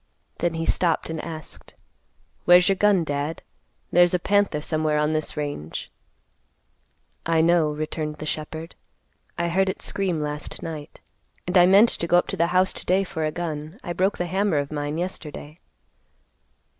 Then he stopped and asked, "Where's your gun, Dad? There's a panther somewhere on this range." "I know," returned the shepherd; "I heard it scream last night; and I meant to go up to the house to day for a gun. I broke the hammer of mine yesterday."